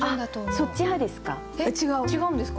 そっち派ですか？